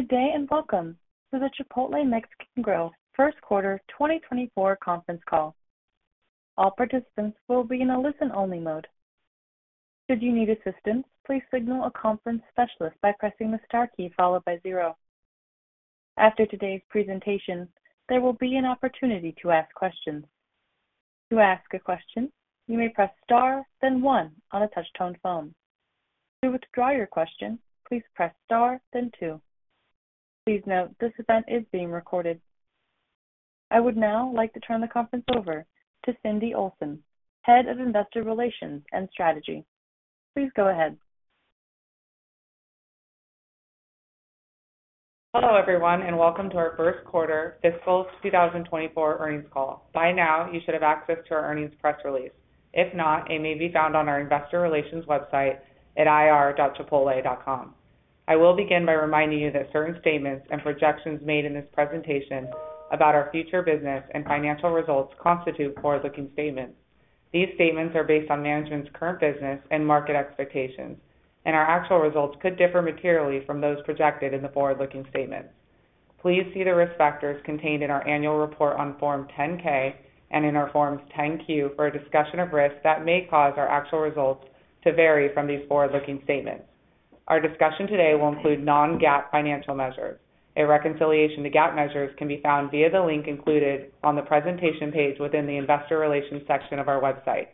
Good day and welcome to the Chipotle Mexican Grill first quarter 2024 conference call. All participants will be in a listen-only mode. Should you need assistance, please signal a conference specialist by pressing the star key followed by zero. After today's presentation, there will be an opportunity to ask questions. To ask a question, you may press star, then one on a touch-tone phone. To withdraw your question, please press star, then two. Please note, this event is being recorded. I would now like to turn the conference over to Cindy Olsen, head of investor relations and strategy. Please go ahead. Hello everyone and welcome to our first quarter fiscal 2024 earnings call. By now, you should have access to our earnings press release. If not, it may be found on our investor relations website at ir.chipotle.com. I will begin by reminding you that certain statements and projections made in this presentation about our future business and financial results constitute forward-looking statements. These statements are based on management's current business and market expectations, and our actual results could differ materially from those projected in the forward-looking statements. Please see the risk factors contained in our annual report on Form 10-K and in our Forms 10-Q for a discussion of risks that may cause our actual results to vary from these forward-looking statements. Our discussion today will include non-GAAP financial measures. A reconciliation to GAAP measures can be found via the link included on the presentation page within the investor relations section of our website.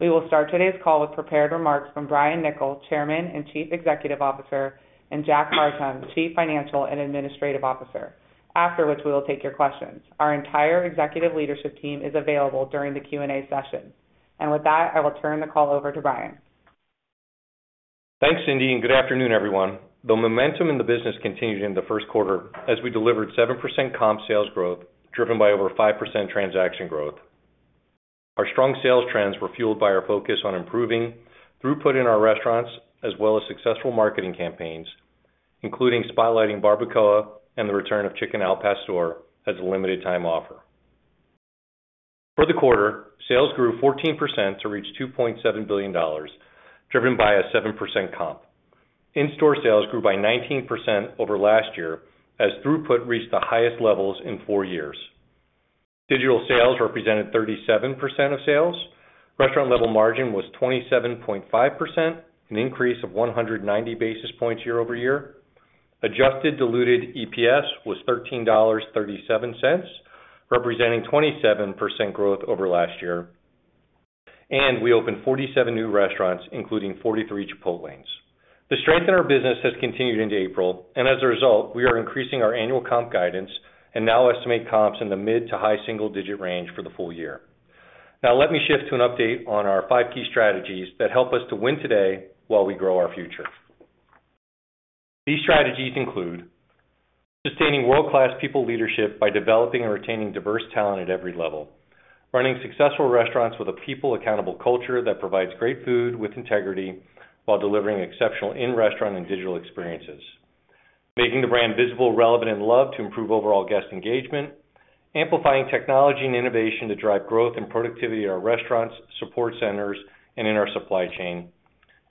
We will start today's call with prepared remarks from Brian Niccol, Chairman and Chief Executive Officer, and Jack Hartung, Chief Financial and Administrative Officer, after which we will take your questions. Our entire executive leadership team is available during the Q&A session. And with that, I will turn the call over to Brian. Thanks, Cindy, and good afternoon, everyone. The momentum in the business continued in the first quarter as we delivered 7% comp sales growth driven by over 5% transaction growth. Our strong sales trends were fueled by our focus on improving throughput in our restaurants as well as successful marketing campaigns, including spotlighting Barbacoa and the return of Chicken al Pastor as a limited-time offer. For the quarter, sales grew 14% to reach $2.7 billion driven by a 7% comp. In-store sales grew by 19% over last year as throughput reached the highest levels in four years. Digital sales represented 37% of sales. Restaurant-level margin was 27.5%, an increase of 190 basis points year over year. Adjusted diluted EPS was $13.37, representing 27% growth over last year. We opened 47 new restaurants, including 43 Chipotles. The strength in our business has continued into April, and as a result, we are increasing our annual comp guidance and now estimate comps in the mid- to high-single-digit range for the full year. Now let me shift to an update on our five key strategies that help us to win today while we grow our future. These strategies include sustaining world-class people leadership by developing and retaining diverse talent at every level, running successful restaurants with a people-accountable culture that provides great Food With Integrity while delivering exceptional in-restaurant and digital experiences, making the brand visible, relevant, and loved to improve overall guest engagement, amplifying technology and innovation to drive growth and productivity in our restaurants, support centers, and in our supply chain,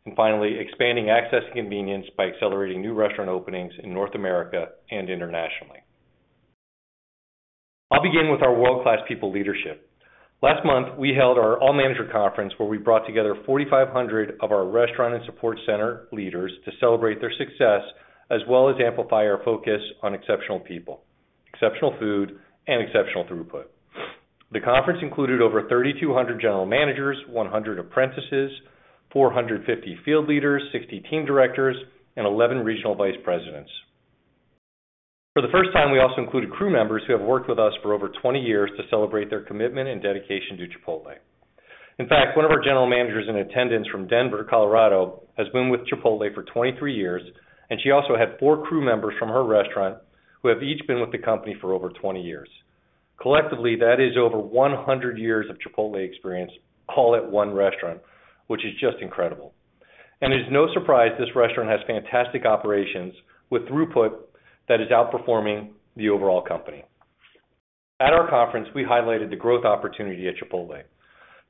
and finally expanding access and convenience by accelerating new restaurant openings in North America and internationally. I'll begin with our world-class people leadership. Last month, we held our All-Manager Conference where we brought together 4,500 of our restaurant and support center leaders to celebrate their success as well as amplify our focus on exceptional people, exceptional food, and exceptional throughput. The conference included over 3,200 general managers, 100 apprentices, 450 field leaders, 60 team directors, and 11 regional vice presidents. For the first time, we also included crew members who have worked with us for over 20 years to celebrate their commitment and dedication to Chipotle. In fact, one of our general managers in attendance from Denver, Colorado, has been with Chipotle for 23 years, and she also had four crew members from her restaurant who have each been with the company for over 20 years. Collectively, that is over 100 years of Chipotle experience all at one restaurant, which is just incredible. It is no surprise this restaurant has fantastic operations with throughput that is outperforming the overall company. At our conference, we highlighted the growth opportunity at Chipotle.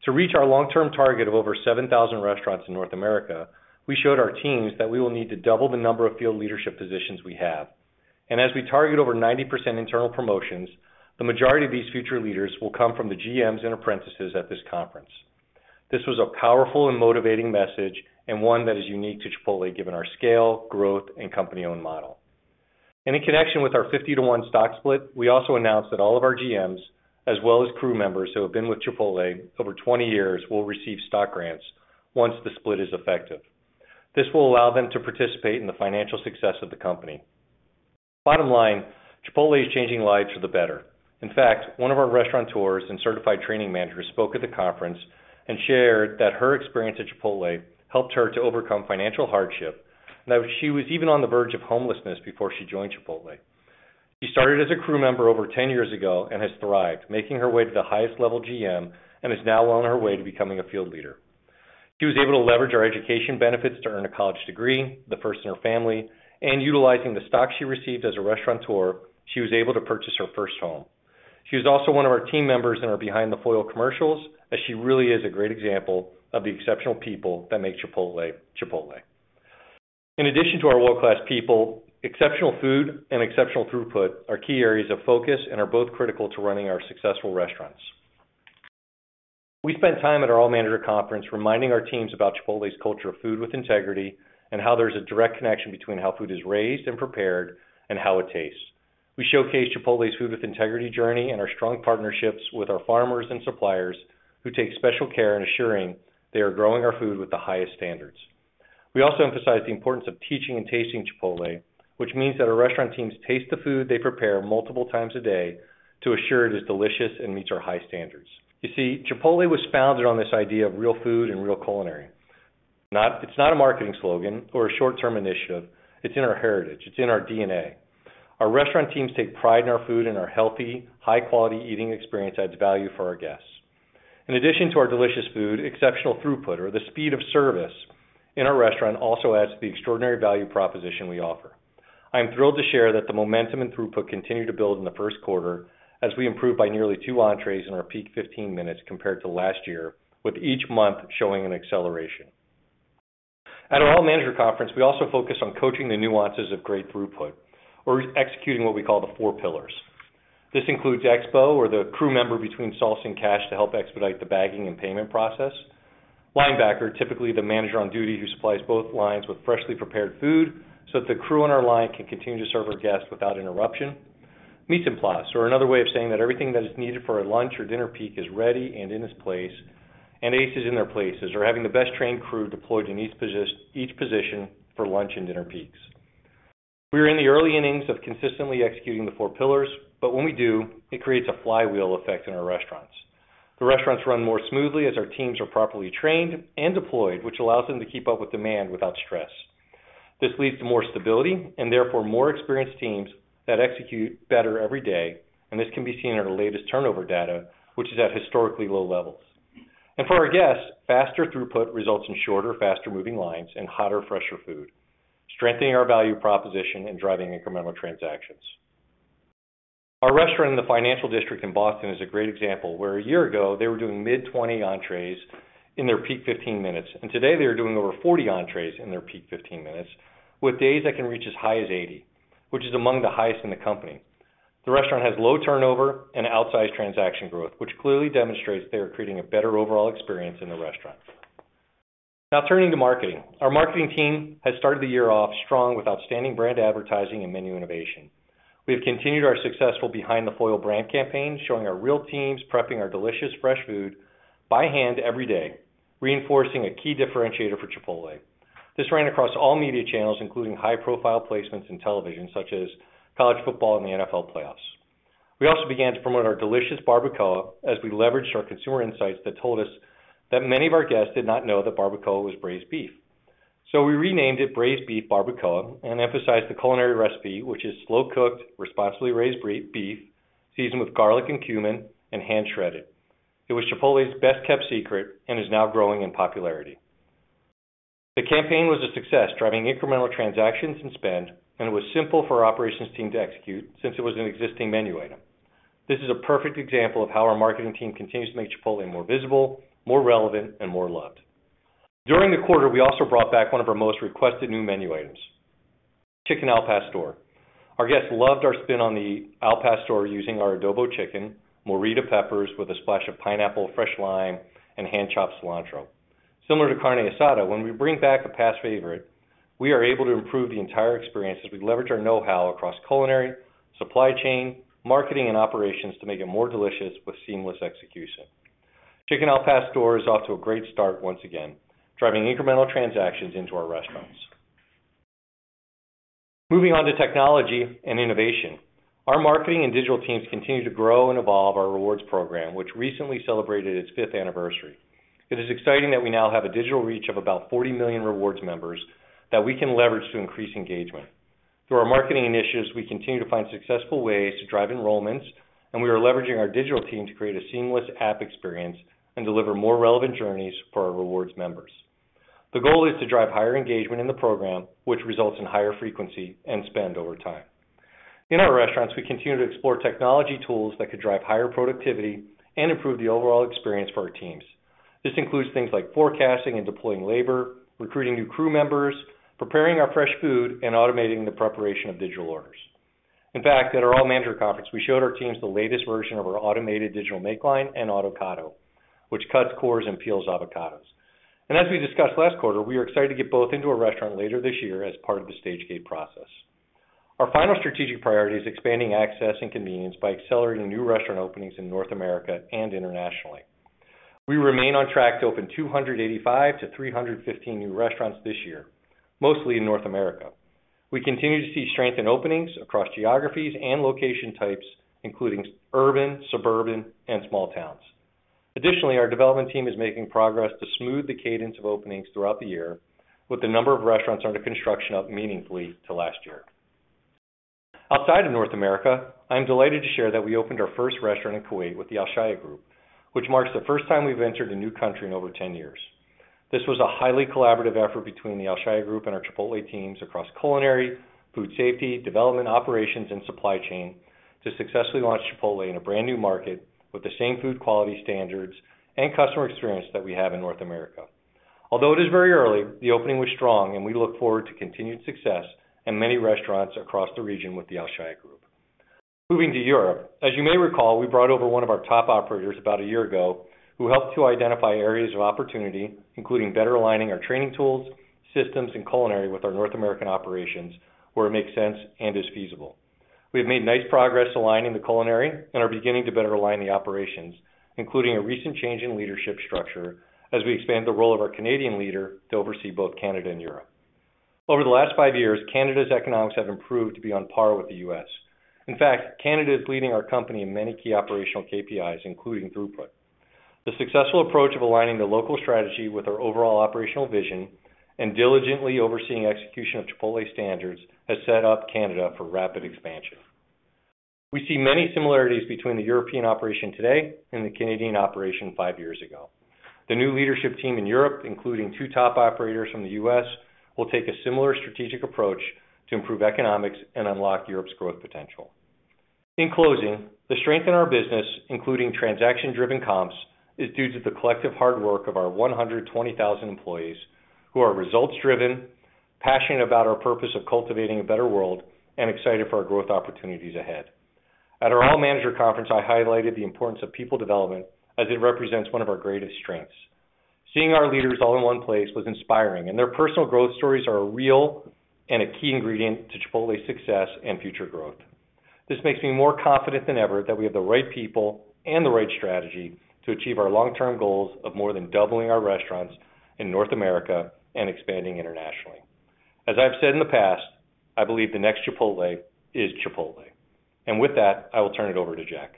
To reach our long-term target of over 7,000 restaurants in North America, we showed our teams that we will need to double the number of field leadership positions we have. As we target over 90% internal promotions, the majority of these future leaders will come from the GMs and apprentices at this conference. This was a powerful and motivating message and one that is unique to Chipotle given our scale, growth, and company-owned model. In connection with our 50:1 stock split, we also announced that all of our GMs, as well as crew members who have been with Chipotle over 20 years, will receive stock grants once the split is effective. This will allow them to participate in the financial success of the company. Bottom line, Chipotle is changing lives for the better. In fact, one of our restaurateurs and certified training managers spoke at the conference and shared that her experience at Chipotle helped her to overcome financial hardship and that she was even on the verge of homelessness before she joined Chipotle. She started as a crew member over 10 years ago and has thrived, making her way to the highest-level GM and is now on her way to becoming a field leader. She was able to leverage our education benefits to earn a college degree, the first in her family, and utilizing the stock she received as a restaurateur, she was able to purchase her first home. She was also one of our team members in our Behind the Foil commercials, as she really is a great example of the exceptional people that make Chipotle. In addition to our world-class people, exceptional food and exceptional throughput are key areas of focus and are both critical to running our successful restaurants. We spent time at our All-Manager Conference reminding our teams about Chipotle's culture of Food With Integrity and how there's a direct connection between how food is raised and prepared and how it tastes. We showcased Chipotle's Food With Integrity journey and our strong partnerships with our farmers and suppliers who take special care in assuring they are growing our food with the highest standards. We also emphasized the importance of teaching and tasting Chipotle, which means that our restaurant teams taste the food they prepare multiple times a day to assure it is delicious and meets our high standards. You see, Chipotle was founded on this idea of real food and real culinary. It's not a marketing slogan or a short-term initiative. It's in our heritage. It's in our DNA. Our restaurant teams take pride in our food, and our healthy, high-quality eating experience adds value for our guests. In addition to our delicious food, exceptional throughput, or the speed of service in our restaurant, also adds to the extraordinary value proposition we offer. I'm thrilled to share that the momentum and throughput continue to build in the first quarter as we improve by nearly two entrées in our peak 15 minutes compared to last year, with each month showing an acceleration. At our All-Manager Conference, we also focus on coaching the nuances of great throughput, or executing what we call the four pillars. This includes Expo, or the crew member between sauce and cash to help expedite the bagging and payment process. Linebacker, typically the manager on duty who supplies both lines with freshly prepared food so that the crew on our line can continue to serve our guests without interruption. Mise en Place, or another way of saying that everything that is needed for a lunch or dinner peak is ready and in its place, and Aces in Their Places, or having the best-trained crew deployed in each position for lunch and dinner peaks. We are in the early innings of consistently executing the four pillars, but when we do, it creates a flywheel effect in our restaurants. The restaurants run more smoothly as our teams are properly trained and deployed, which allows them to keep up with demand without stress. This leads to more stability and, therefore, more experienced teams that execute better every day, and this can be seen in our latest turnover data, which is at historically low levels. For our guests, faster throughput results in shorter, faster-moving lines and hotter, fresher food, strengthening our value proposition and driving incremental transactions. Our restaurant in the Financial District in Boston is a great example where a year ago, they were doing mid-20 entrées in their peak 15 minutes, and today they are doing over 40 entrées in their peak 15 minutes with days that can reach as high as 80, which is among the highest in the company. The restaurant has low turnover and outsized transaction growth, which clearly demonstrates they are creating a better overall experience in the restaurant. Now turning to marketing. Our marketing team has started the year off strong with outstanding brand advertising and menu innovation. We have continued our successful Behind the Foil brand campaign, showing our real teams prepping our delicious, fresh food by hand every day, reinforcing a key differentiator for Chipotle. This ran across all media channels, including high-profile placements in television such as college football and the NFL playoffs. We also began to promote our delicious Barbacoa as we leveraged our consumer insights that told us that many of our guests did not know that Barbacoa was braised beef. So we renamed it Braised Beef Barbacoa and emphasized the culinary recipe, which is slow-cooked, responsibly raised beef seasoned with garlic and cumin and hand-shredded. It was Chipotle's best-kept secret and is now growing in popularity. The campaign was a success, driving incremental transactions and spend, and it was simple for our operations team to execute since it was an existing menu item. This is a perfect example of how our marketing team continues to make Chipotle more visible, more relevant, and more loved. During the quarter, we also brought back one of our most requested new menu items, Chicken Al Pastor. Our guests loved our spin on the Al Pastor using our adobo chicken, Morita peppers with a splash of pineapple, fresh lime, and hand-chopped cilantro. Similar to Carne Asada, when we bring back a past favorite, we are able to improve the entire experience as we leverage our know-how across culinary, supply chain, marketing, and operations to make it more delicious with seamless execution. Chicken Al Pastor is off to a great start once again, driving incremental transactions into our restaurants. Moving on to technology and innovation, our marketing and digital teams continue to grow and evolve our Rewards program, which recently celebrated its fifth anniversary. It is exciting that we now have a digital reach of about 40 million Rewards members that we can leverage to increase engagement. Through our marketing initiatives, we continue to find successful ways to drive enrollments, and we are leveraging our digital team to create a seamless app experience and deliver more relevant journeys for our Rewards members. The goal is to drive higher engagement in the program, which results in higher frequency and spend over time. In our restaurants, we continue to explore technology tools that could drive higher productivity and improve the overall experience for our teams. This includes things like forecasting and deploying labor, recruiting new crew members, preparing our fresh food, and automating the preparation of digital orders. In fact, at our All-Manager Conference, we showed our teams the latest version of our Automated Digital Make Line and Autocado, which cuts cores and peels avocados. And as we discussed last quarter, we are excited to get both into a restaurant later this year as part of the Stage-Gate process. Our final strategic priority is expanding access and convenience by accelerating new restaurant openings in North America and internationally. We remain on track to open 285-315 new restaurants this year, mostly in North America. We continue to see strength in openings across geographies and location types, including urban, suburban, and small towns. Additionally, our development team is making progress to smooth the cadence of openings throughout the year, with the number of restaurants under construction up meaningfully to last year. Outside of North America, I'm delighted to share that we opened our first restaurant in Kuwait with the Alshaya Group, which marks the first time we've entered a new country in over 10 years. This was a highly collaborative effort between the Alshaya Group and our Chipotle teams across culinary, food safety, development, operations, and supply chain to successfully launch Chipotle in a brand new market with the same food quality standards and customer experience that we have in North America. Although it is very early, the opening was strong, and we look forward to continued success and many restaurants across the region with the Alshaya Group. Moving to Europe, as you may recall, we brought over one of our top operators about a year ago who helped to identify areas of opportunity, including better aligning our training tools, systems, and culinary with our North American operations where it makes sense and is feasible. We have made nice progress aligning the culinary and are beginning to better align the operations, including a recent change in leadership structure as we expand the role of our Canadian leader to oversee both Canada and Europe. Over the last five years, Canada's economics have improved to be on par with the U.S. In fact, Canada is leading our company in many key operational KPIs, including throughput. The successful approach of aligning the local strategy with our overall operational vision and diligently overseeing execution of Chipotle standards has set up Canada for rapid expansion. We see many similarities between the European operation today and the Canadian operation five years ago. The new leadership team in Europe, including two top operators from the U.S., will take a similar strategic approach to improve economics and unlock Europe's growth potential. In closing, the strength in our business, including transaction-driven comps, is due to the collective hard work of our 120,000 employees who are results-driven, passionate about our purpose of cultivating a better world, and excited for our growth opportunities ahead. At our All-Manager Conference, I highlighted the importance of people development as it represents one of our greatest strengths. Seeing our leaders all in one place was inspiring, and their personal growth stories are real and a key ingredient to Chipotle's success and future growth. This makes me more confident than ever that we have the right people and the right strategy to achieve our long-term goals of more than doubling our restaurants in North America and expanding internationally. As I've said in the past, I believe the next Chipotle is Chipotle. And with that, I will turn it over to Jack.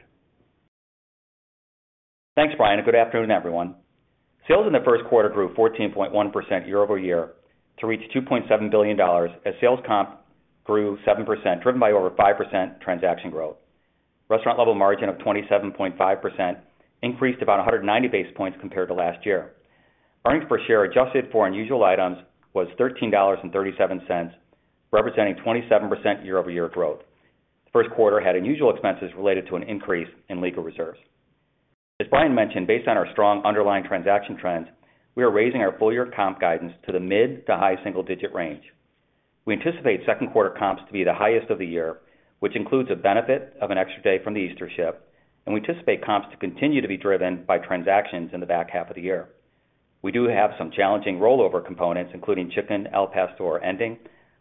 Thanks, Brian, and good afternoon, everyone. Sales in the first quarter grew 14.1% year-over-year to reach $2.7 billion as sales comp grew 7%, driven by over 5% transaction growth. Restaurant-level margin of 27.5% increased about 190 basis points compared to last year. Earnings per share adjusted for unusual items was $13.37, representing 27% year-over-year growth. The first quarter had unusual expenses related to an increase in legal reserves. As Brian mentioned, based on our strong underlying transaction trends, we are raising our full-year comp guidance to the mid to high single-digit range. We anticipate second-quarter comps to be the highest of the year, which includes a benefit of an extra day from the Easter shift, and we anticipate comps to continue to be driven by transactions in the back half of the year. We do have some challenging rollover components, including Chicken Al Pastor ending,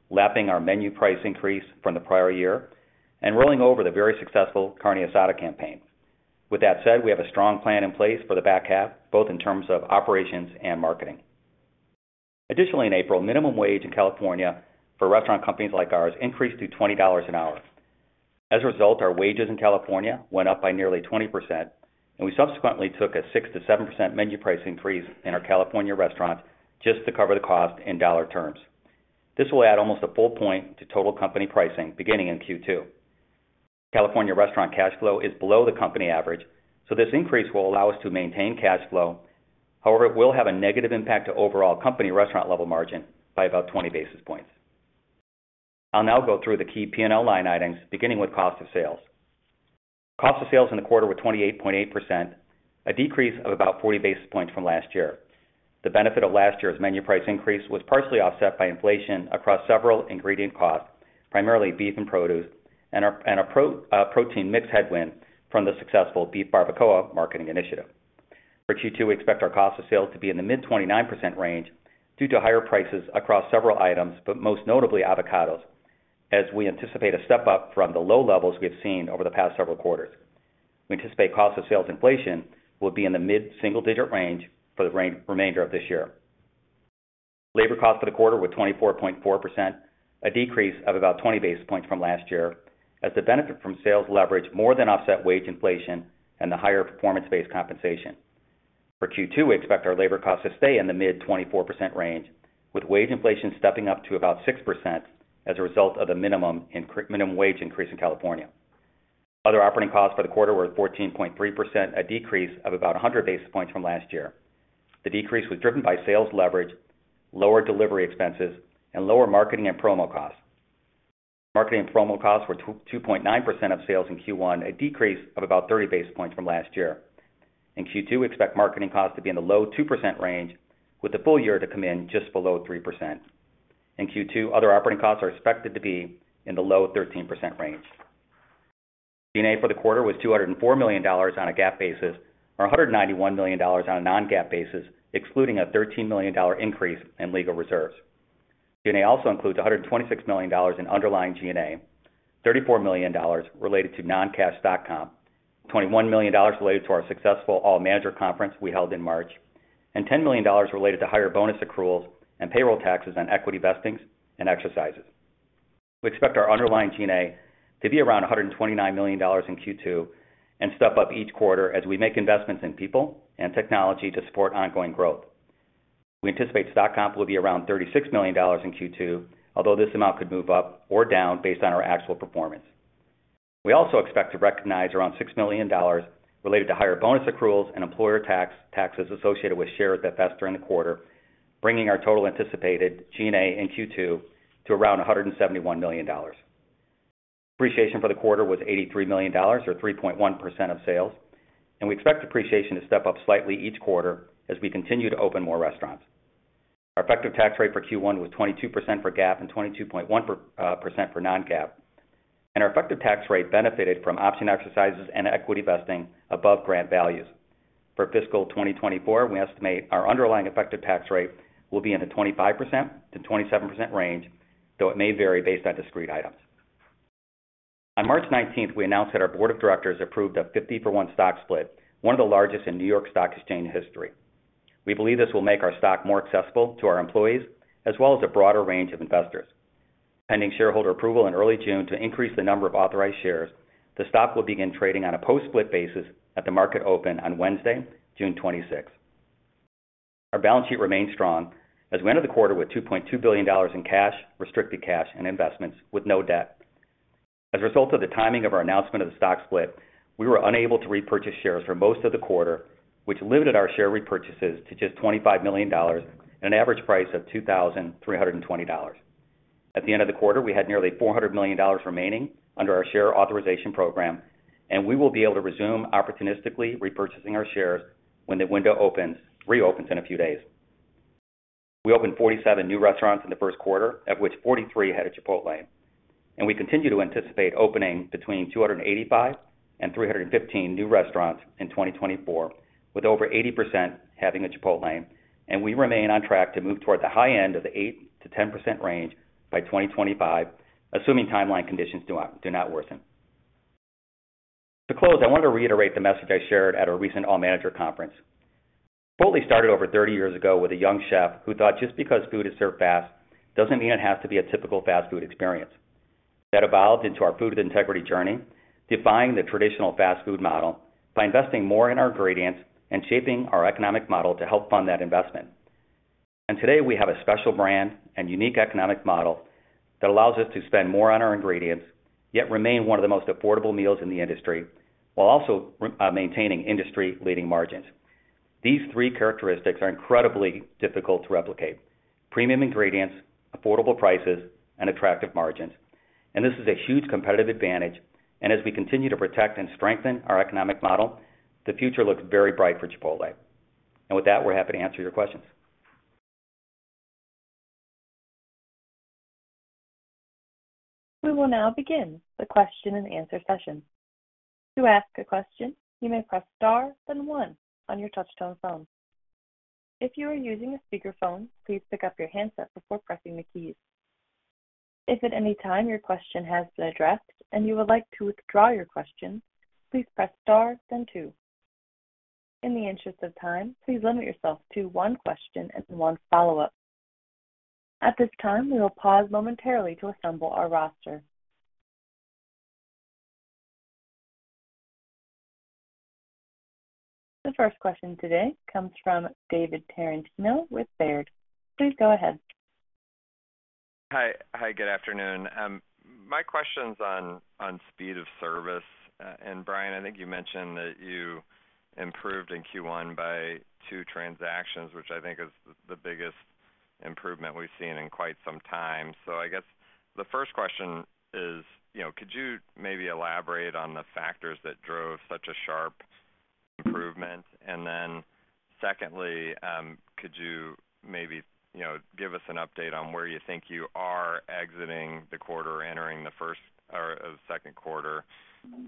lapping our menu price increase from the prior year, and rolling over the very successful Carne Asada campaign. With that said, we have a strong plan in place for the back half, both in terms of operations and marketing. Additionally, in April, minimum wage in California for restaurant companies like ours increased to $20 an hour. As a result, our wages in California went up by nearly 20%, and we subsequently took a 6%-7% menu price increase in our California restaurants just to cover the cost in dollar terms. This will add almost a full point to total company pricing beginning in Q2. California restaurant cash flow is below the company average, so this increase will allow us to maintain cash flow. However, it will have a negative impact to overall company restaurant-level margin by about 20 basis points. I'll now go through the key P&L line items, beginning with cost of sales. Cost of sales in the quarter was 28.8%, a decrease of about 40 basis points from last year. The benefit of last year's menu price increase was partially offset by inflation across several ingredient costs, primarily beef and produce, and a protein mix headwind from the successful Beef Barbacoa marketing initiative. For Q2, we expect our cost of sales to be in the mid-29% range due to higher prices across several items, but most notably avocados, as we anticipate a step up from the low levels we have seen over the past several quarters. We anticipate cost of sales inflation will be in the mid-single-digit range for the remainder of this year. Labor cost for the quarter was 24.4%, a decrease of about 20 basis points from last year, as the benefit from sales leverage more than offset wage inflation and the higher performance-based compensation. For Q2, we expect our labor costs to stay in the mid-24% range, with wage inflation stepping up to about 6% as a result of the minimum wage increase in California. Other operating costs for the quarter were 14.3%, a decrease of about 100 basis points from last year. The decrease was driven by sales leverage, lower delivery expenses, and lower marketing and promo costs. Marketing and promo costs were 2.9% of sales in Q1, a decrease of about 30 basis points from last year. In Q2, we expect marketing costs to be in the low-2% range, with the full year to come in just below 3%. In Q2, other operating costs are expected to be in the low-13% range. G&A for the quarter was $204 million on a GAAP basis or $191 million on a non-GAAP basis, excluding a $13 million increase in legal reserves. G&A also includes $126 million in underlying G&A, $34 million related to non-cash stock comp, $21 million related to our successful All-Manager Conference we held in March, and $10 million related to higher bonus accruals and payroll taxes on equity vestings and exercises. We expect our underlying G&A to be around $129 million in Q2 and step up each quarter as we make investments in people and technology to support ongoing growth. We anticipate stock comp will be around $36 million in Q2, although this amount could move up or down based on our actual performance. We also expect to recognize around $6 million related to higher bonus accruals and employer taxes associated with shares that vest during the quarter, bringing our total anticipated G&A in Q2 to around $171 million. Depreciation for the quarter was $83 million or 3.1% of sales, and we expect depreciation to step up slightly each quarter as we continue to open more restaurants. Our effective tax rate for Q1 was 22% for GAAP and 22.1% for non-GAAP, and our effective tax rate benefited from option exercises and equity vesting above grant values. For fiscal 2024, we estimate our underlying effective tax rate will be in the 25%-27% range, though it may vary based on discrete items. On March 19th, we announced that our board of directors approved a 50-for-1 stock split, one of the largest in New York Stock Exchange history. We believe this will make our stock more accessible to our employees as well as a broader range of investors. Pending shareholder approval in early June to increase the number of authorized shares, the stock will begin trading on a post-split basis at the market open on Wednesday, June 26th. Our balance sheet remained strong as we ended the quarter with $2.2 billion in cash, restricted cash, and investments with no debt. As a result of the timing of our announcement of the stock split, we were unable to repurchase shares for most of the quarter, which limited our share repurchases to just $25 million and an average price of $2,320. At the end of the quarter, we had nearly $400 million remaining under our share authorization program, and we will be able to resume opportunistically repurchasing our shares when the window reopens in a few days. We opened 47 new restaurants in the first quarter, of which 43 had a Chipotle Lane, and we continue to anticipate opening between 285-315 new restaurants in 2024, with over 80% having a Chipotle Lane. We remain on track to move toward the high end of the 8%-10% range by 2025, assuming timeline conditions do not worsen. To close, I wanted to reiterate the message I shared at our recent All-Manager Conference. Chipotle started over 30 years ago with a young chef who thought just because food is served fast doesn't mean it has to be a typical fast food experience. That evolved into our food integrity journey, defying the traditional fast food model by investing more in our ingredients and shaping our economic model to help fund that investment. Today, we have a special brand and unique economic model that allows us to spend more on our ingredients yet remain one of the most affordable meals in the industry while also maintaining industry-leading margins. These three characteristics are incredibly difficult to replicate: premium ingredients, affordable prices, and attractive margins. This is a huge competitive advantage. As we continue to protect and strengthen our economic model, the future looks very bright for Chipotle. With that, we're happy to answer your questions. We will now begin the question-and-answer session. To ask a question, you may press star then one on your touch-tone phone. If you are using a speakerphone, please pick up your handset before pressing the keys. If at any time your question has been addressed and you would like to withdraw your question, please press star then two. In the interest of time, please limit yourself to one question and one follow-up. At this time, we will pause momentarily to assemble our roster. The first question today comes from David Tarantino with Baird. Please go ahead. Hi. Hi. Good afternoon. My question's on speed of service. And Brian, I think you mentioned that you improved in Q1 by two transactions, which I think is the biggest improvement we've seen in quite some time. So I guess the first question is, could you maybe elaborate on the factors that drove such a sharp improvement? And then secondly, could you maybe give us an update on where you think you are exiting the quarter, entering the second quarter,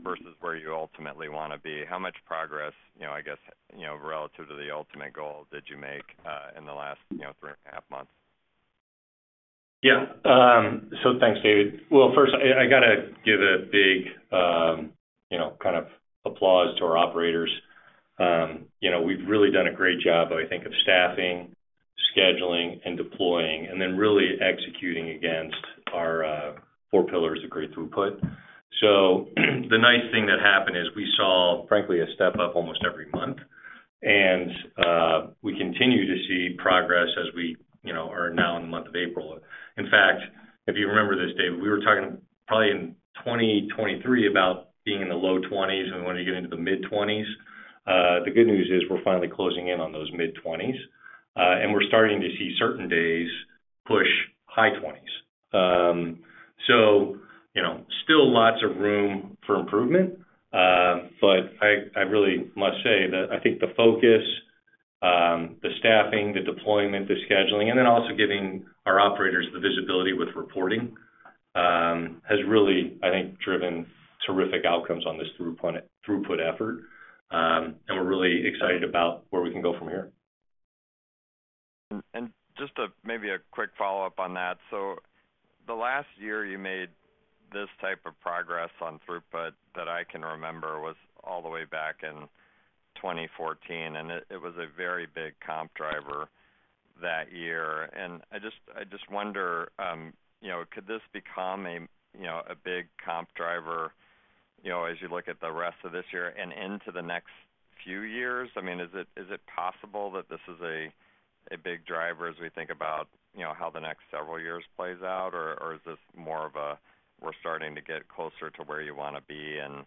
versus where you ultimately want to be? How much progress, I guess, relative to the ultimate goal did you make in the last three and a half months? Yeah. So thanks, David. Well, first, I got to give a big kind of applause to our operators. We've really done a great job, I think, of staffing, scheduling, and deploying, and then really executing against our four pillars of great throughput. So the nice thing that happened is we saw, frankly, a step up almost every month. And we continue to see progress as we are now in the month of April. In fact, if you remember this, David, we were talking probably in 2023 about being in the low 20s, and we wanted to get into the mid 20s. The good news is we're finally closing in on those mid 20s. And we're starting to see certain days push high 20s. So still lots of room for improvement. I really must say that I think the focus, the staffing, the deployment, the scheduling, and then also giving our operators the visibility with reporting has really, I think, driven terrific outcomes on this throughput effort. We're really excited about where we can go from here. Just maybe a quick follow-up on that. The last year you made this type of progress on throughput that I can remember was all the way back in 2014. It was a very big comp driver that year. I just wonder, could this become a big comp driver as you look at the rest of this year and into the next few years? I mean, is it possible that this is a big driver as we think about how the next several years plays out? Or is this more of a, "We're starting to get closer to where you want to be, and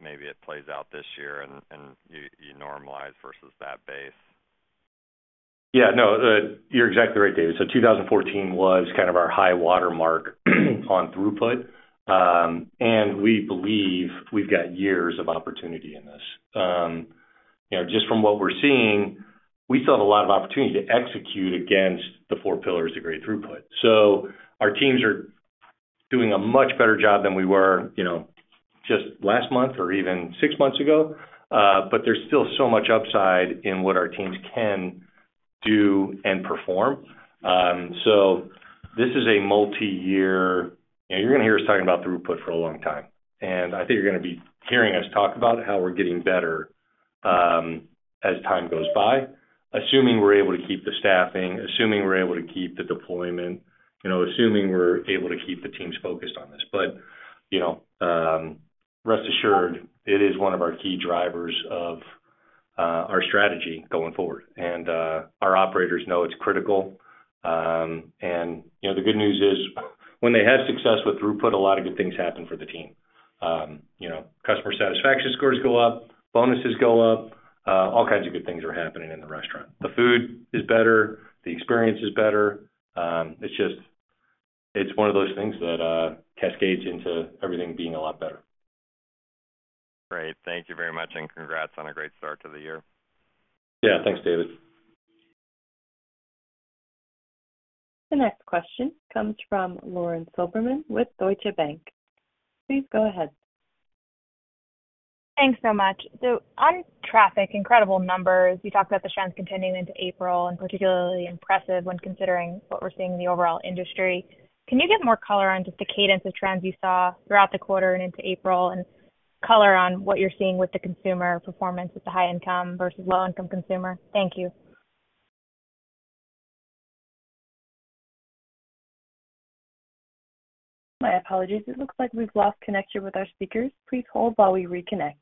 maybe it plays out this year, and you normalize versus that base"? Yeah. No. You're exactly right, David. So 2014 was kind of our high watermark on throughput. And we believe we've got years of opportunity in this. Just from what we're seeing, we saw a lot of opportunity to execute against the four pillars of great throughput. So our teams are doing a much better job than we were just last month or even six months ago. But there's still so much upside in what our teams can do and perform. So this is a multi-year you're going to hear us talking about throughput for a long time. I think you're going to be hearing us talk about how we're getting better as time goes by, assuming we're able to keep the staffing, assuming we're able to keep the deployment, assuming we're able to keep the teams focused on this. But rest assured, it is one of our key drivers of our strategy going forward. And our operators know it's critical. And the good news is when they have success with throughput, a lot of good things happen for the team. Customer satisfaction scores go up, bonuses go up, all kinds of good things are happening in the restaurant. The food is better, the experience is better. It's one of those things that cascades into everything being a lot better. Great. Thank you very much, and congrats on a great start to the year. Yeah. Thanks, David. The next question comes from Lauren Silberman with Deutsche Bank. Please go ahead. Thanks so much. So on traffic, incredible numbers. You talked about the trends continuing into April and particularly impressive when considering what we're seeing in the overall industry. Can you get more color on just the cadence of trends you saw throughout the quarter and into April and color on what you're seeing with the consumer performance with the high-income versus low-income consumer? Thank you. My apologies. It looks like we've lost connection with our speakers. Please hold while we reconnect.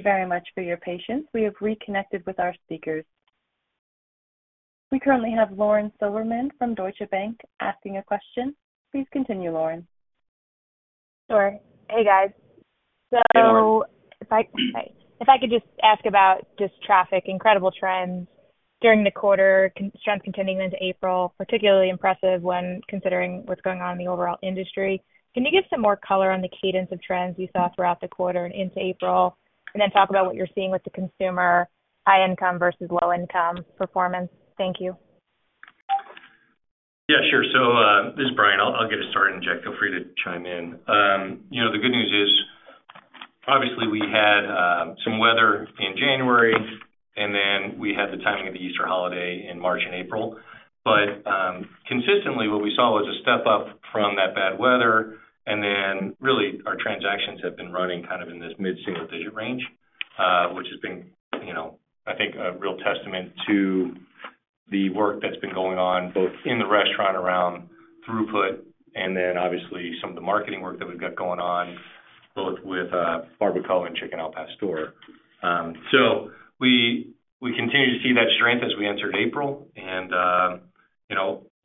Hey, Roger. It's a little late. Time's out. It's a different one. Thank you very much for your patience. We have reconnected with our speakers. We currently have Lauren Silberman from Deutsche Bank asking a question. Please continue, Lauren. Sure. Hey, guys. So if I could just ask about just traffic, incredible trends during the quarter, trends continuing into April, particularly impressive when considering what's going on in the overall industry. Can you give some more color on the cadence of trends you saw throughout the quarter and into April, and then talk about what you're seeing with the consumer, high-income versus low-income performance? Thank you. Yeah. Sure. So this is Brian. I'll get us started, and Jack, feel free to chime in. The good news is, obviously, we had some weather in January, and then we had the timing of the Easter holiday in March and April. But consistently, what we saw was a step up from that bad weather. And then really, our transactions have been running kind of in this mid-single-digit range, which has been, I think, a real testament to the work that's been going on both in the restaurant around throughput and then, obviously, some of the marketing work that we've got going on both with Barbacoa and Chicken Al Pastor. So we continue to see that strength as we entered April. And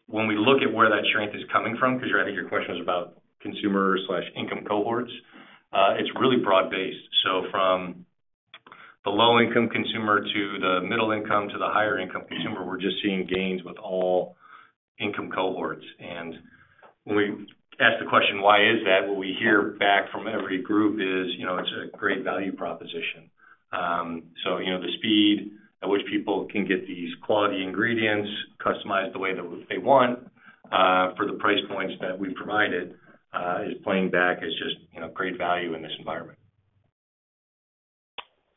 when we look at where that strength is coming from because I think your question was about consumer/income cohorts, it's really broad-based. So from the low-income consumer to the middle-income to the higher-income consumer, we're just seeing gains with all income cohorts. And when we ask the question, "Why is that?" what we hear back from every group is, "It's a great value proposition." So the speed at which people can get these quality ingredients customized the way that they want for the price points that we've provided is playing back as just great value in this environment.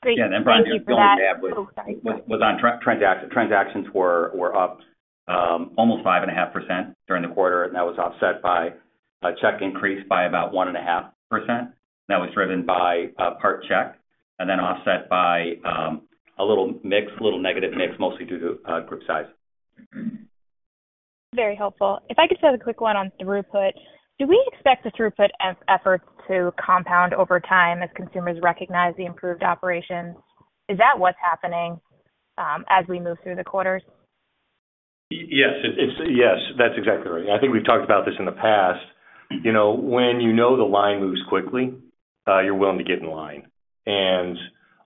Great. Yeah. And Brian, thank you for that. Oh, sorry. Transactions were up almost 5.5% during the quarter. And that was offset by a check increase by about 1.5%. That was driven by per check and then offset by a little mix, little negative mix, mostly due to group size. Very helpful. If I could just have a quick one on throughput, do we expect the throughput efforts to compound over time as consumers recognize the improved operations? Is that what's happening as we move through the quarters? Yes. Yes. That's exactly right. I think we've talked about this in the past. When you know the line moves quickly, you're willing to get in line. And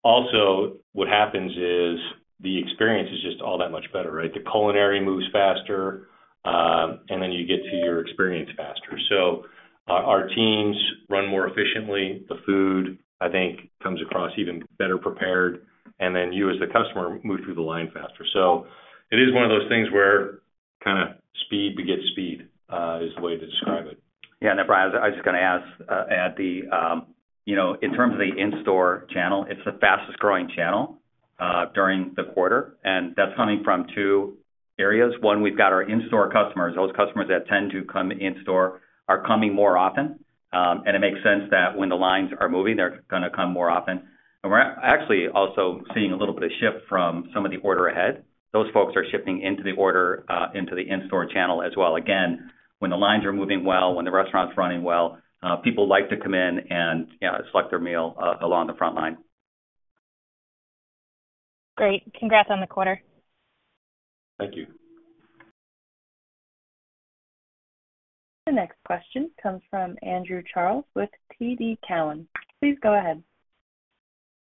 also, what happens is the experience is just all that much better, right? The culinary moves faster, and then you get to your experience faster. So our teams run more efficiently. The food, I think, comes across even better prepared. And then you as the customer move through the line faster. So it is one of those things where kind of speed begets speed is the way to describe it. Yeah. And then Brian, I was just going to add, in terms of the in-store channel, it's the fastest-growing channel during the quarter. And that's coming from two areas. One, we've got our in-store customers. Those customers that tend to come in-store are coming more often. And it makes sense that when the lines are moving, they're going to come more often. And we're actually also seeing a little bit of shift from some of the order ahead. Those folks are shifting into the order into the in-store channel as well. Again, when the lines are moving well, when the restaurant's running well, people like to come in and select their meal along the front line. Great. Congrats on the quarter. Thank you. The next question comes from Andrew Charles with TD Cowen. Please go ahead.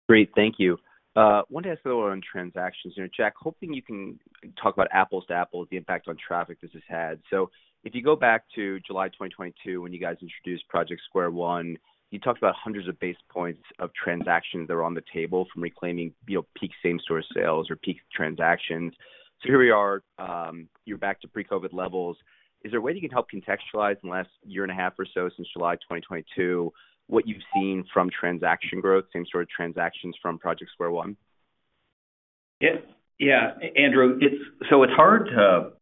Great. Thank you. I wanted to ask a little on transactions. Jack, hoping you can talk about apples to apples, the impact on traffic this has had. So if you go back to July 2022 when you guys introduced Project Square One, you talked about hundreds of basis points of transactions that are on the table from reclaiming peak same-store sales or peak transactions. So here we are. You're back to pre-COVID levels. Is there a way you can help contextualize in the last year and a half or so since July 2022 what you've seen from transaction growth, same-store transactions from Project Square One? Yeah. Yeah, Andrew. So it's hard to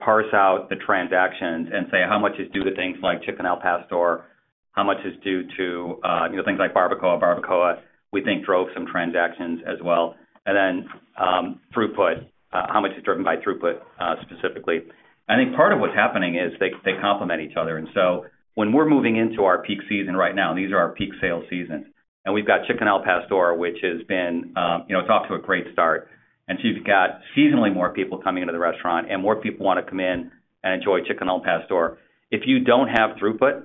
parse out the transactions and say, "How much is due to things like Chicken Al Pastor? How much is due to things like Barbacoa?" Barbacoa, we think, drove some transactions as well. And then throughput, how much is driven by throughput specifically? I think part of what's happening is they complement each other. And so when we're moving into our peak season right now, and these are our peak sales seasons, and we've got Chicken Al Pastor, which has been—it's off to a great start. And so you've got seasonally more people coming into the restaurant, and more people want to come in and enjoy Chicken Al Pastor. If you don't have throughput,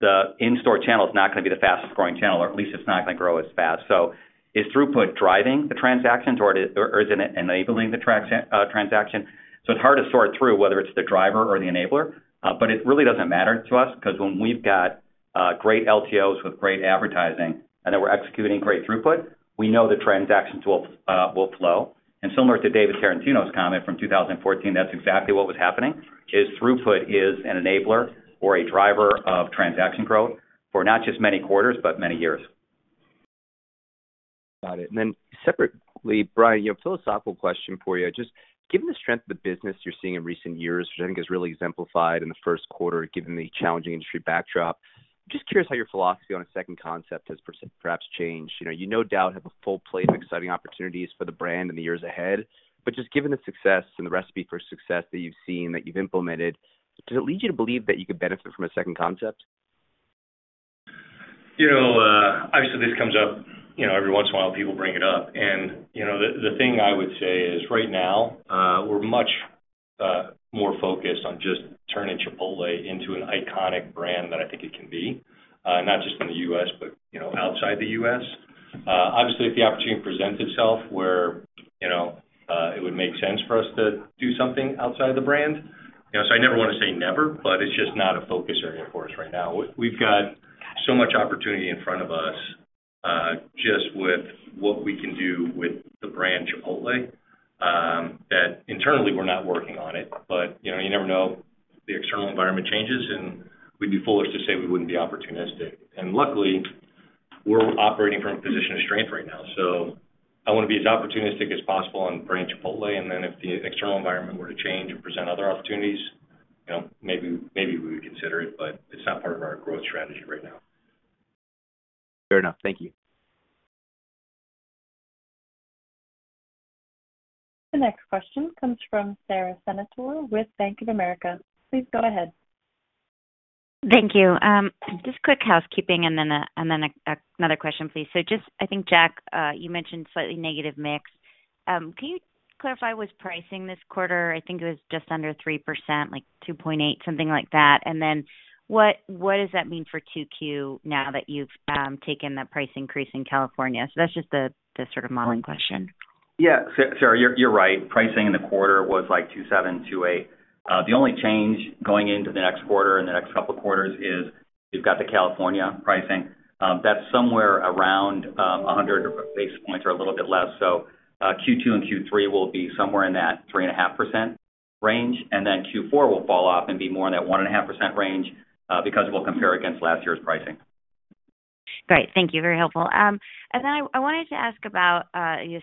the in-store channel is not going to be the fastest-growing channel, or at least it's not going to grow as fast. So is throughput driving the transactions, or is it enabling the transaction? So it's hard to sort through whether it's the driver or the enabler. But it really doesn't matter to us because when we've got great LTOs with great advertising and then we're executing great throughput, we know the transactions will flow. Similar to David Tarantino's comment from 2014, that's exactly what was happening, is throughput is an enabler or a driver of transaction growth for not just many quarters, but many years. Got it. Then separately, Brian, a philosophical question for you. Just given the strength of the business you're seeing in recent years, which I think is really exemplified in the first quarter given the challenging industry backdrop, I'm just curious how your philosophy on a second concept has perhaps changed. You no doubt have a full plate of exciting opportunities for the brand in the years ahead. Just given the success and the recipe for success that you've seen, that you've implemented, does it lead you to believe that you could benefit from a second concept? Obviously, this comes up every once in a while. People bring it up. The thing I would say is right now, we're much more focused on just turning Chipotle into an iconic brand than I think it can be, not just in the U.S., but outside the U.S. Obviously, if the opportunity presents itself where it would make sense for us to do something outside the brand, so I never want to say never, but it's just not a focus area for us right now. We've got so much opportunity in front of us just with what we can do with the brand Chipotle that internally, we're not working on it. You never know. The external environment changes, and we'd be foolish to say we wouldn't be opportunistic. Luckily, we're operating from a position of strength right now. I want to be as opportunistic as possible on brand Chipotle. Then if the external environment were to change and present other opportunities, maybe we would consider it. But it's not part of our growth strategy right now. Fair enough. Thank you. The next question comes from Sara Senatore with Bank of America. Please go ahead. Thank you. Just quick housekeeping and then another question, please. So I think, Jack, you mentioned slightly negative mix. Can you clarify was pricing this quarter? I think it was just under 3%, like 2.8%, something like that. And then what does that mean for 2Q now that you've taken the price increase in California? So that's just the sort of modeling question. Yeah. Sara, you're right. Pricing in the quarter was like 2.7-2.8%. The only change going into the next quarter and the next couple of quarters is we've got the California pricing. That's somewhere around 100 basis points or a little bit less. So Q2 and Q3 will be somewhere in that 3.5% range. And then Q4 will fall off and be more in that 1.5% range because we'll compare against last year's pricing. Great. Thank you. Very helpful. And then I wanted to ask about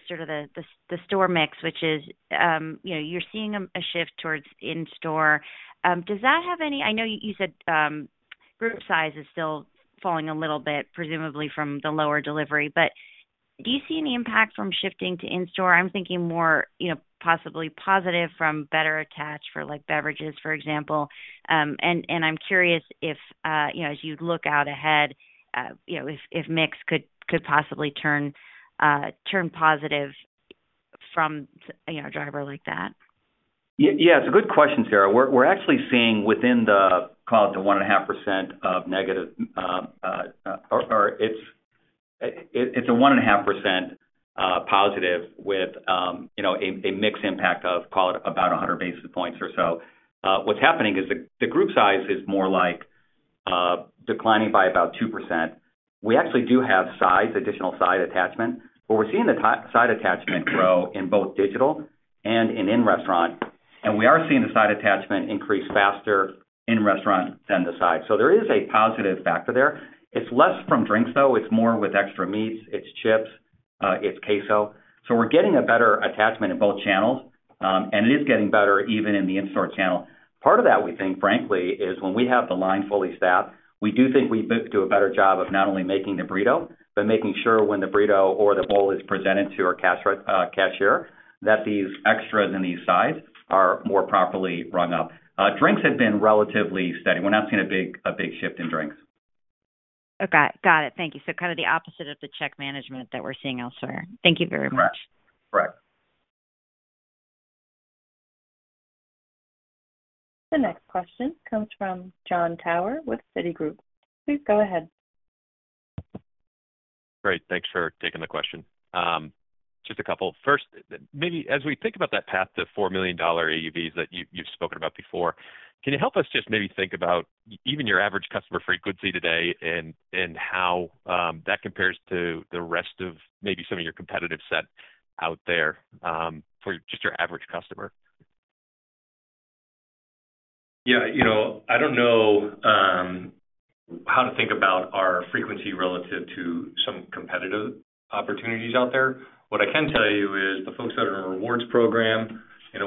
sort of the store mix, which is you're seeing a shift towards in-store. Does that have any? I know you said group size is still falling a little bit, presumably from the lower delivery. But do you see any impact from shifting to in-store? I'm thinking more possibly positive from better attach for beverages, for example. And I'm curious if, as you look out ahead, if mix could possibly turn positive from a driver like that. Yeah. It's a good question, Sara. We're actually seeing within the, call it, the 1.5% of negative or it's a 1.5% positive with a mix impact of, call it, about 100 basis points or so. What's happening is the group size is more like declining by about 2%. We actually do have sides, additional side attachment, but we're seeing the side attachment grow in both digital and in restaurant. And we are seeing the side attachment increase faster in restaurant than the side. So there is a positive factor there. It's less from drinks, though. It's more with extra meats. It's chips. It's queso. So we're getting a better attachment in both channels. And it is getting better even in the in-store channel. Part of that, we think, frankly, is when we have the line fully staffed, we do think we do a better job of not only making the burrito but making sure when the burrito or the bowl is presented to our cashier that these extras in these sides are more properly rung up. Drinks have been relatively steady. We're not seeing a big shift in drinks. Okay. Got it. Thank you. So kind of the opposite of the check management that we're seeing elsewhere. Thank you very much. Correct. Correct. The next question comes from Jon Tower with Citigroup. Please go ahead. Great. Thanks for taking the question. Just a couple. First, maybe as we think about that path to $4 million AUVs that you've spoken about before, can you help us just maybe think about even your average customer frequency today and how that compares to the rest of maybe some of your competitive set out there for just your average customer? Yeah. I don't know how to think about our frequency relative to some competitive opportunities out there. What I can tell you is the folks that are in the rewards program,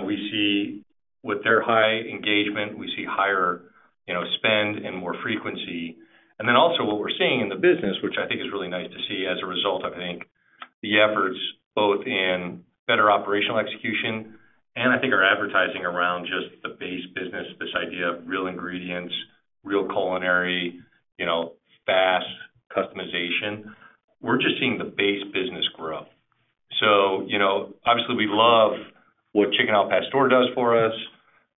we see with their high engagement, we see higher spend and more frequency. And then also what we're seeing in the business, which I think is really nice to see as a result, I think, the efforts both in better operational execution and I think our advertising around just the base business, this idea of real ingredients, real culinary, fast customization, we're just seeing the base business grow. So obviously, we love what Chicken Al Pastor does for us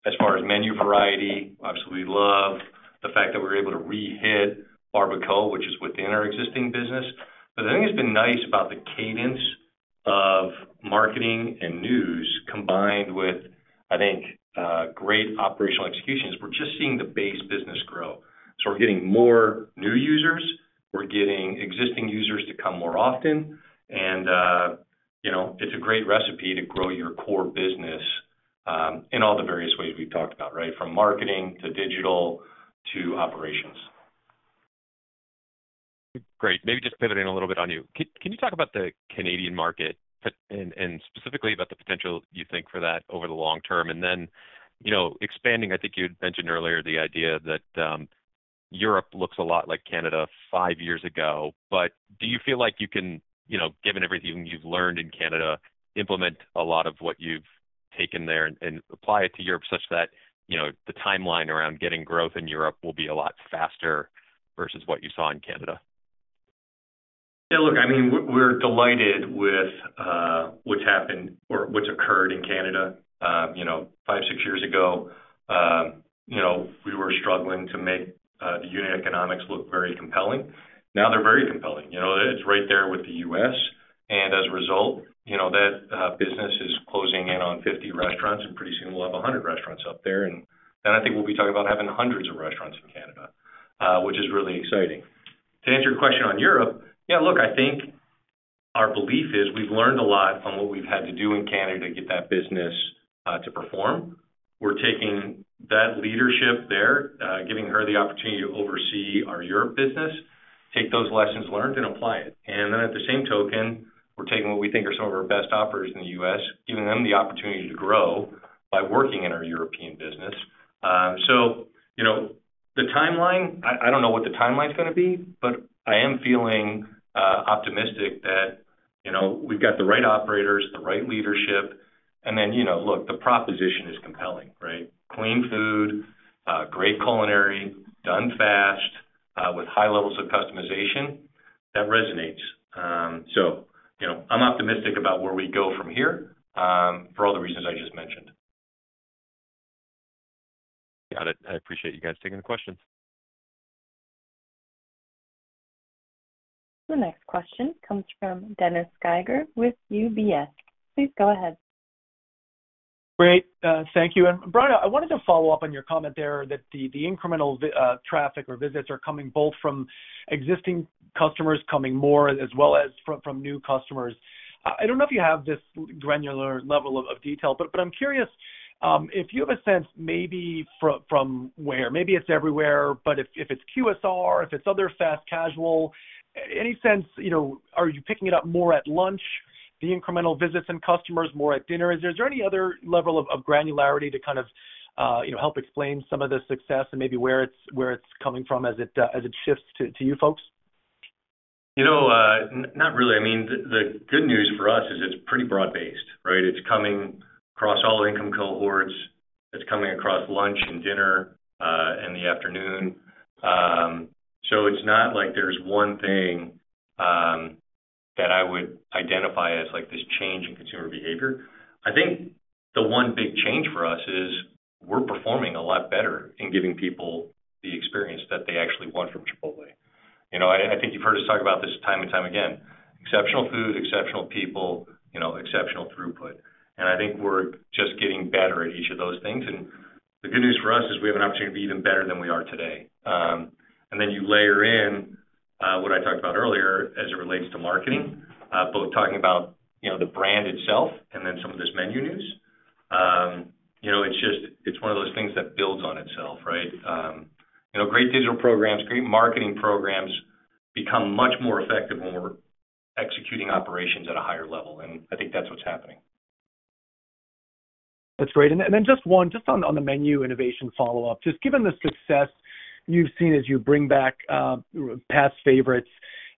as far as menu variety. Obviously, we love the fact that we're able to re-hit Barbacoa, which is within our existing business. But the thing that's been nice about the cadence of marketing and news combined with, I think, great operational execution is we're just seeing the base business grow. So we're getting more new users. We're getting existing users to come more often. It's a great recipe to grow your core business in all the various ways we've talked about, right, from marketing to digital to operations. Great. Maybe just pivoting a little bit on you. Can you talk about the Canadian market and specifically about the potential you think for that over the long term? And then expanding, I think you had mentioned earlier the idea that Europe looks a lot like Canada five years ago. But do you feel like you can, given everything you've learned in Canada, implement a lot of what you've taken there and apply it to Europe such that the timeline around getting growth in Europe will be a lot faster versus what you saw in Canada? Yeah. Look, I mean, we're delighted with what's happened or what's occurred in Canada. Five, six years ago, we were struggling to make the unit economics look very compelling. Now they're very compelling. It's right there with the U.S. As a result, that business is closing in on 50 restaurants. Pretty soon, we'll have 100 restaurants up there. Then I think we'll be talking about having hundreds of restaurants in Canada, which is really exciting. To answer your question on Europe, yeah, look, I think our belief is we've learned a lot on what we've had to do in Canada to get that business to perform. We're taking that leadership there, giving her the opportunity to oversee our Europe business, take those lessons learned, and apply it. Then at the same token, we're taking what we think are some of our best offers in the U.S., giving them the opportunity to grow by working in our European business. So the timeline, I don't know what the timeline's going to be, but I am feeling optimistic that we've got the right operators, the right leadership. And then look, the proposition is compelling, right? Clean food, great culinary, done fast with high levels of customization, that resonates. So I'm optimistic about where we go from here for all the reasons I just mentioned. Got it. I appreciate you guys taking the questions. The next question comes from Dennis Geiger with UBS. Please go ahead. Great. Thank you. And Brian, I wanted to follow up on your comment there that the incremental traffic or visits are coming both from existing customers coming more as well as from new customers. I don't know if you have this granular level of detail, but I'm curious if you have a sense maybe from where maybe it's everywhere, but if it's QSR, if it's other fast casual, any sense, are you picking it up more at lunch, the incremental visits and customers more at dinner? Is there any other level of granularity to kind of help explain some of the success and maybe where it's coming from as it shifts to you folks? Not really. I mean, the good news for us is it's pretty broad-based, right? It's coming across all income cohorts. It's coming across lunch and dinner and the afternoon. So it's not like there's one thing that I would identify as this change in consumer behavior. I think the one big change for us is we're performing a lot better in giving people the experience that they actually want from Chipotle. I think you've heard us talk about this time and time again: exceptional food, exceptional people, exceptional throughput. I think we're just getting better at each of those things. The good news for us is we have an opportunity to be even better than we are today. You layer in what I talked about earlier as it relates to marketing, both talking about the brand itself and then some of this menu news. It's one of those things that builds on itself, right? Great digital programs, great marketing programs become much more effective when we're executing operations at a higher level. I think that's what's happening. That's great. And then just one, just on the menu innovation follow-up, just given the success you've seen as you bring back past favorites,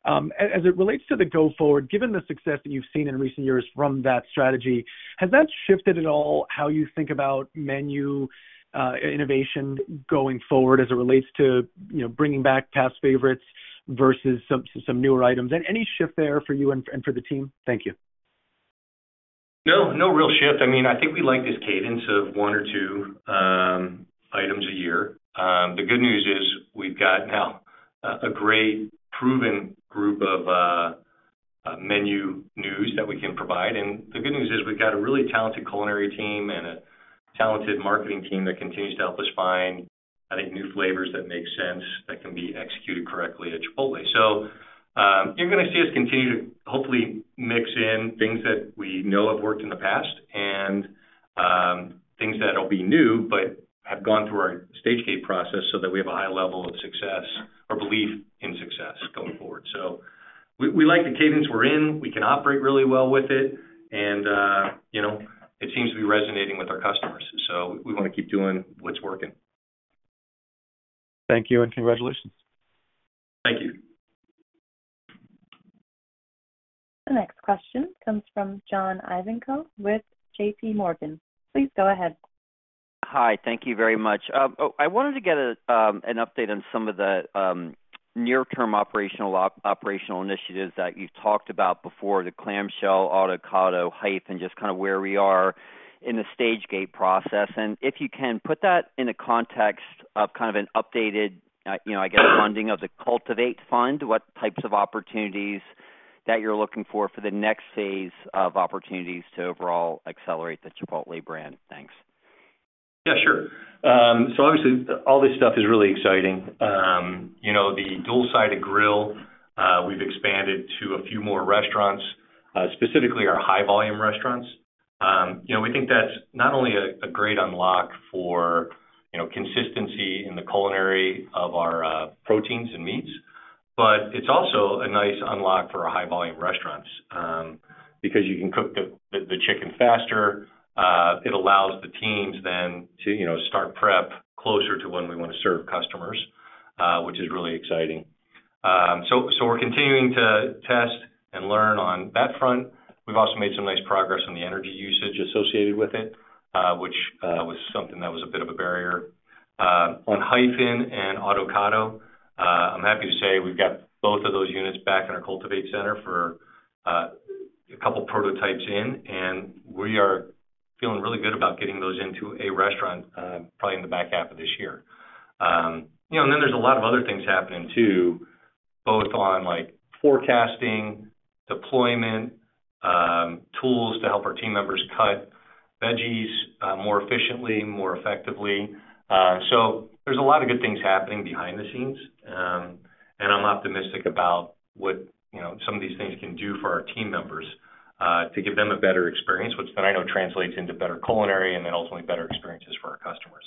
as it relates to the go-forward, given the success that you've seen in recent years from that strategy, has that shifted at all how you think about menu innovation going forward as it relates to bringing back past favorites versus some newer items? Any shift there for you and for the team? Thank you. No. No real shift. I mean, I think we like this cadence of one or two items a year. The good news is we've got now a great proven group of menu items that we can provide. And the good news is we've got a really talented culinary team and a talented marketing team that continues to help us find, I think, new flavors that make sense that can be executed correctly at Chipotle. So you're going to see us continue to hopefully mix in things that we know have worked in the past and things that will be new but have gone through our Stage-Gate process so that we have a high level of success or belief in success going forward. So we like the cadence we're in. We can operate really well with it. And it seems to be resonating with our customers. So we want to keep doing what's working. Thank you and congratulations. Thank you. The next question comes from John Ivankoe with JPMorgan. Please go ahead. Hi. Thank you very much. I wanted to get an update on some of the near-term operational initiatives that you've talked about before, the clamshell, Autocado, Hyphen, and just kind of where we are in the Stage-Gate process. And if you can put that in the context of kind of an updated, I guess, funding of the Cultivate Fund, what types of opportunities that you're looking for for the next phase of opportunities to overall accelerate the Chipotle brand? Thanks. Yeah. Sure. So obviously, all this stuff is really exciting. The dual-sided grill, we've expanded to a few more restaurants, specifically our high-volume restaurants. We think that's not only a great unlock for consistency in the culinary of our proteins and meats, but it's also a nice unlock for our high-volume restaurants because you can cook the chicken faster. It allows the teams then to start prep closer to when we want to serve customers, which is really exciting. So we're continuing to test and learn on that front. We've also made some nice progress on the energy usage associated with it, which was something that was a bit of a barrier. On Hyphen and Autocado, I'm happy to say we've got both of those units back in our Cultivate Center for a couple of prototypes in. We are feeling really good about getting those into a restaurant probably in the back half of this year. Then there's a lot of other things happening too, both on forecasting, deployment, tools to help our team members cut veggies more efficiently, more effectively. There's a lot of good things happening behind the scenes. I'm optimistic about what some of these things can do for our team members to give them a better experience, which then I know translates into better culinary and then ultimately better experiences for our customers.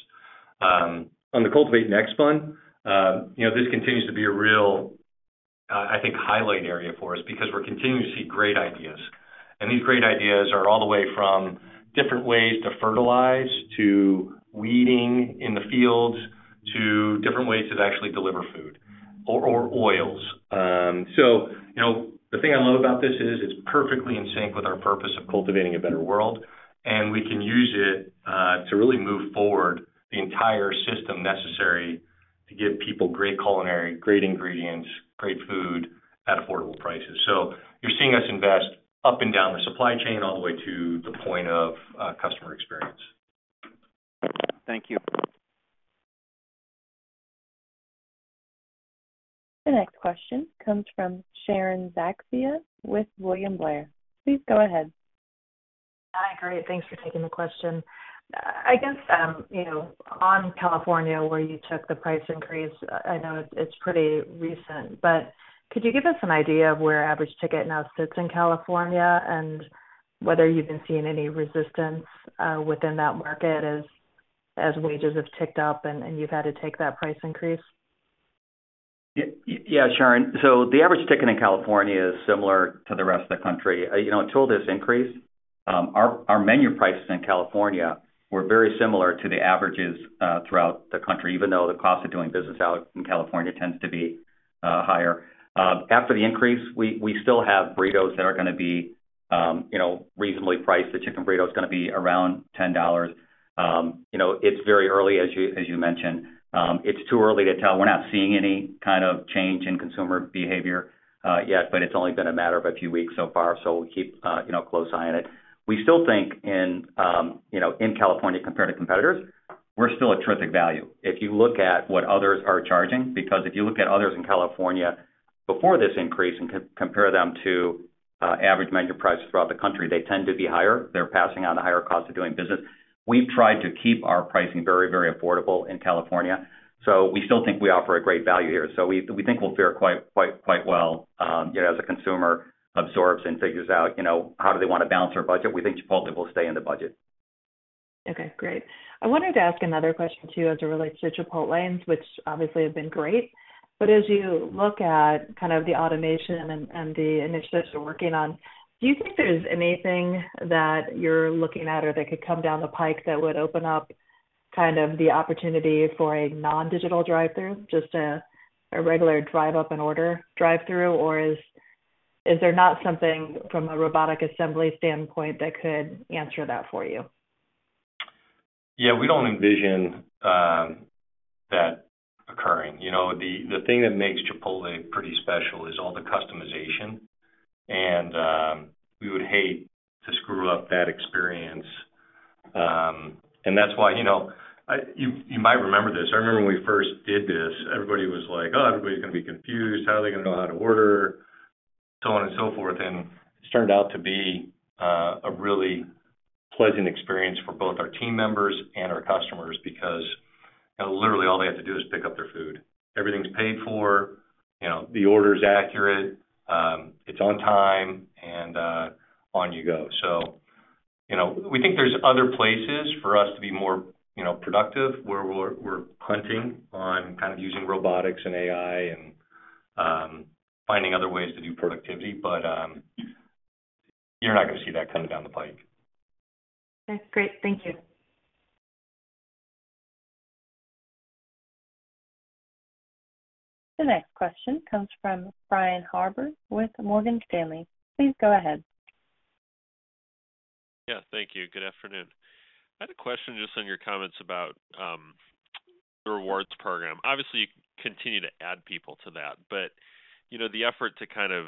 On the Cultivate Next Fund, this continues to be a real, I think, highlight area for us because we're continuing to see great ideas. And these great ideas are all the way from different ways to fertilize to weeding in the fields to different ways to actually deliver food or oils. So the thing I love about this is it's perfectly in sync with our purpose of cultivating a better world. And we can use it to really move forward the entire system necessary to give people great culinary, great ingredients, great food at affordable prices. So you're seeing us invest up and down the supply chain all the way to the point of customer experience. Thank you. The next question comes from Sharon Zackfia with William Blair. Please go ahead. Hi. Great. Thanks for taking the question. I guess on California where you took the price increase, I know it's pretty recent, but could you give us an idea of where average ticket now sits in California and whether you've been seeing any resistance within that market as wages have ticked up and you've had to take that price increase? Yeah, Sharon. So the average ticket in California is similar to the rest of the country. Until this increase, our menu prices in California were very similar to the averages throughout the country, even though the cost of doing business out in California tends to be higher. After the increase, we still have burritos that are going to be reasonably priced. The chicken burrito's going to be around $10. It's very early, as you mentioned. It's too early to tell. We're not seeing any kind of change in consumer behavior yet, but it's only been a matter of a few weeks so far. We keep a close eye on it. We still think in California compared to competitors, we're still at terrific value. If you look at what others are charging because if you look at others in California before this increase and compare them to average menu prices throughout the country, they tend to be higher. They're passing on a higher cost of doing business. We've tried to keep our pricing very, very affordable in California. We still think we offer a great value here. We think we'll fare quite well as a consumer absorbs and figures out how do they want to balance their budget. We think Chipotle will stay in the budget. Okay. Great. I wanted to ask another question too as it relates to Chipotle's, which obviously have been great. But as you look at kind of the automation and the initiatives you're working on, do you think there's anything that you're looking at or that could come down the pike that would open up kind of the opportunity for a non-digital drive-through, just a regular drive-up-and-order drive-through? Or is there not something from a robotic assembly standpoint that could answer that for you? Yeah. We don't envision that occurring. The thing that makes Chipotle pretty special is all the customization. And we would hate to screw up that experience. And that's why you might remember this. I remember when we first did this, everybody was like, "Oh, everybody's going to be confused. How are they going to know how to order?" So on and so forth. It turned out to be a really pleasant experience for both our team members and our customers because literally, all they had to do is pick up their food. Everything's paid for. The order's accurate. It's on time. And on you go. We think there's other places for us to be more productive where we're hunting on kind of using robotics and AI and finding other ways to do productivity. But you're not going to see that coming down the pike. Okay. Great. Thank you. The next question comes from Brian Harbour with Morgan Stanley. Please go ahead. Yeah. Thank you. Good afternoon. I had a question just on your comments about the rewards program. Obviously, you continue to add people to that. But the effort to kind of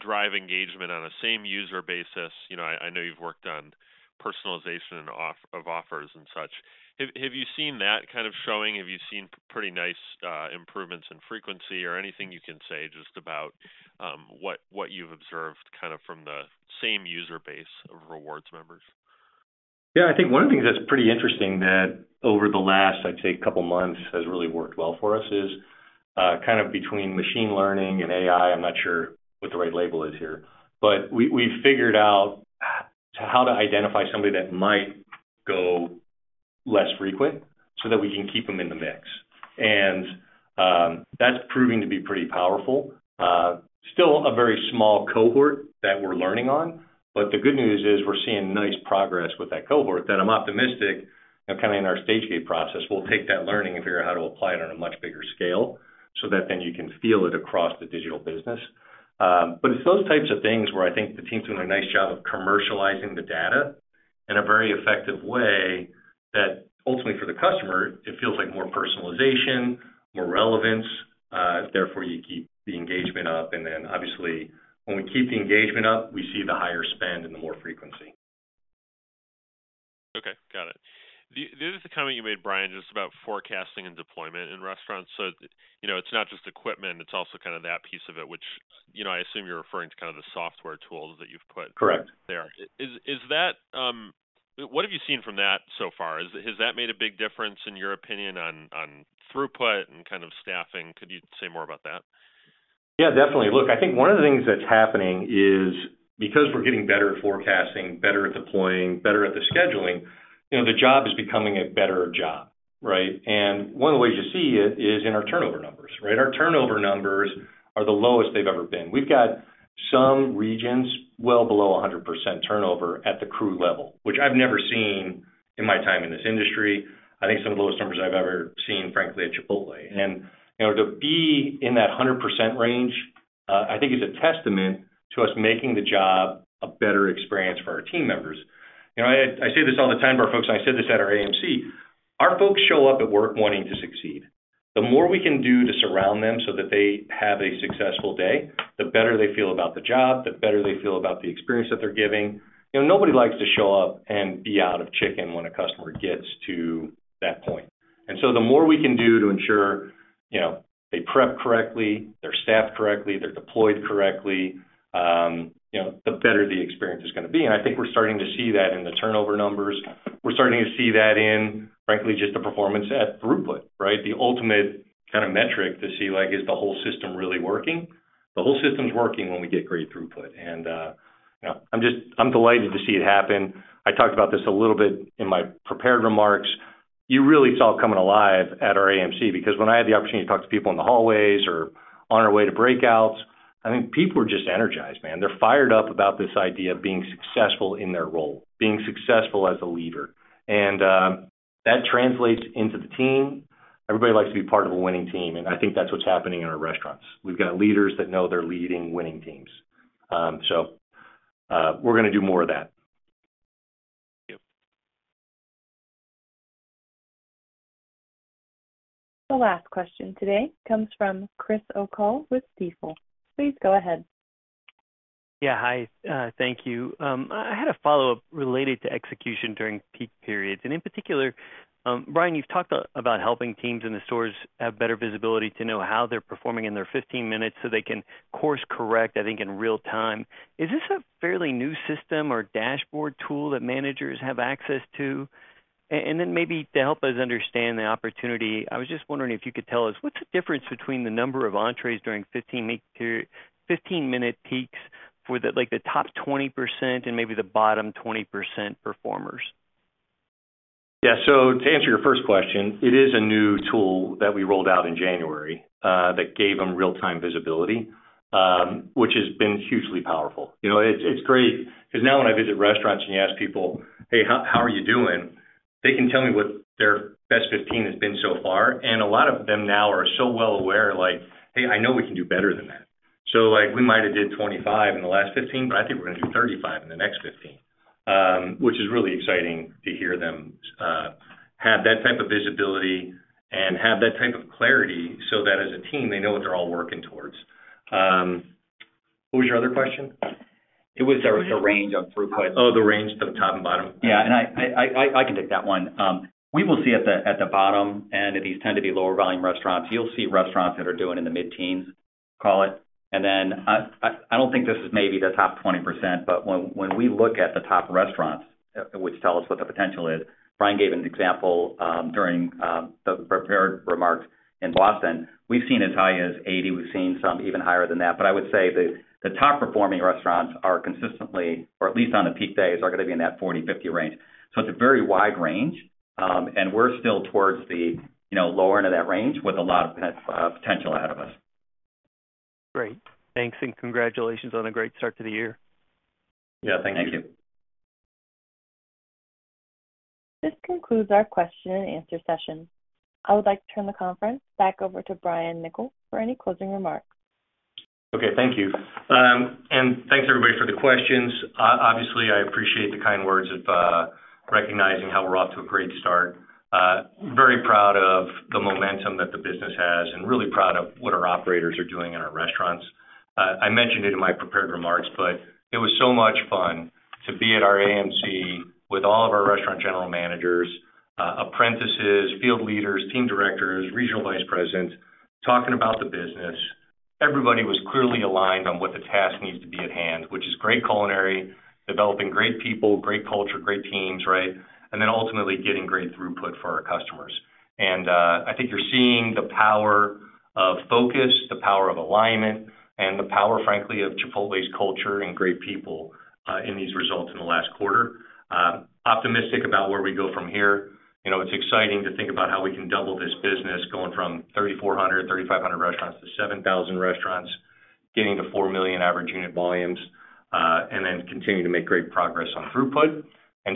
drive engagement on a same-user basis I know you've worked on personalization of offers and such. Have you seen that kind of showing? Have you seen pretty nice improvements in frequency or anything you can say just about what you've observed kind of from the same user base of rewards members? Yeah. I think one of the things that's pretty interesting that over the last, I'd say, couple of months has really worked well for us is kind of between machine learning and AI - I'm not sure what the right label is here - but we've figured out how to identify somebody that might go less frequent so that we can keep them in the mix. And that's proving to be pretty powerful. Still a very small cohort that we're learning on. But the good news is we're seeing nice progress with that cohort that I'm optimistic kind of in our Stage-Gate process, we'll take that learning and figure out how to apply it on a much bigger scale so that then you can feel it across the digital business. But it's those types of things where I think the team's doing a nice job of commercializing the data in a very effective way that ultimately, for the customer, it feels like more personalization, more relevance. Therefore, you keep the engagement up. And then obviously, when we keep the engagement up, we see the higher spend and the more frequency. Okay. Got it. This is a comment you made, Brian, just about forecasting and deployment in restaurants. So it's not just equipment. It's also kind of that piece of it, which I assume you're referring to kind of the software tools that you've put there. Is that what have you seen from that so far? Has that made a big difference, in your opinion, on throughput and kind of staffing? Could you say more about that? Yeah. Definitely. Look, I think one of the things that's happening is because we're getting better at forecasting, better at deploying, better at the scheduling, the job is becoming a better job, right? And one of the ways you see it is in our turnover numbers, right? Our turnover numbers are the lowest they've ever been. We've got some regions well below 100% turnover at the crew level, which I've never seen in my time in this industry. I think some of the lowest numbers I've ever seen, frankly, at Chipotle. And to be in that 100% range, I think, is a testament to us making the job a better experience for our team members. I say this all the time to our folks, and I said this at our AMC. Our folks show up at work wanting to succeed. The more we can do to surround them so that they have a successful day, the better they feel about the job, the better they feel about the experience that they're giving. Nobody likes to show up and be out of chicken when a customer gets to that point. And so the more we can do to ensure they prep correctly, they're staffed correctly, they're deployed correctly, the better the experience is going to be. And I think we're starting to see that in the turnover numbers. We're starting to see that in, frankly, just the performance at throughput, right? The ultimate kind of metric to see is the whole system really working? The whole system's working when we get great throughput. And I'm delighted to see it happen. I talked about this a little bit in my prepared remarks. You really saw it coming alive at our AMC because when I had the opportunity to talk to people in the hallways or on our way to breakouts, I think people were just energized, man. They're fired up about this idea of being successful in their role, being successful as a leader. And that translates into the team. Everybody likes to be part of a winning team. And I think that's what's happening in our restaurants. We've got leaders that know they're leading winning teams. So we're going to do more of that. Thank you. The last question today comes from Chris O'Cull with Stifel. Please go ahead. Yeah. Hi. Thank you. I had a follow-up related to execution during peak periods. In particular, Brian, you've talked about helping teams in the stores have better visibility to know how they're performing in their 15 minutes so they can course-correct, I think, in real time. Is this a fairly new system or dashboard tool that managers have access to? And then maybe to help us understand the opportunity, I was just wondering if you could tell us, what's the difference between the number of entrées during 15-minute peaks for the top 20% and maybe the bottom 20% performers? Yeah. To answer your first question, it is a new tool that we rolled out in January that gave them real-time visibility, which has been hugely powerful. It's great because now when I visit restaurants and you ask people, "Hey, how are you doing?" they can tell me what their best 15 has been so far. And a lot of them now are so well aware like, "Hey, I know we can do better than that. So we might have did 25 in the last 15, but I think we're going to do 35 in the next 15," which is really exciting to hear them have that type of visibility and have that type of clarity so that as a team, they know what they're all working towards. What was your other question? It was the range of throughput. Oh, the range of the top and bottom. Yeah. And I can take that one. We will see at the bottom end; these tend to be lower-volume restaurants. You'll see restaurants that are doing in the mid-teens, call it. And then I don't think this is maybe the top 20%, but when we look at the top restaurants, which tell us what the potential is. Brian gave an example during the prepared remarks in Boston. We've seen as high as 80. We've seen some even higher than that. But I would say the top-performing restaurants are consistently, or at least on the peak days, are going to be in that 40-50 range. So it's a very wide range. And we're still towards the lower end of that range with a lot of potential ahead of us. Great. Thanks. And congratulations on a great start to the year. Yeah. Thank you. Thank you. This concludes our question-and-answer session. I would like to turn the conference back over to Brian Niccol for any closing remarks. Okay. Thank you. And thanks, everybody, for the questions. Obviously, I appreciate the kind words of recognizing how we're off to a great start. Very proud of the momentum that the business has and really proud of what our operators are doing in our restaurants. I mentioned it in my prepared remarks, but it was so much fun to be at our AMC with all of our restaurant general managers, apprentices, field leaders, team directors, regional vice presidents talking about the business. Everybody was clearly aligned on what the task needs to be at hand, which is great culinary, developing great people, great culture, great teams, right? And then ultimately, getting great throughput for our customers. I think you're seeing the power of focus, the power of alignment, and the power, frankly, of Chipotle's culture and great people in these results in the last quarter. Optimistic about where we go from here. It's exciting to think about how we can double this business going from 3,400, 3,500 restaurants to 7,000 restaurants, getting to 4 million average unit volumes, and then continue to make great progress on throughput.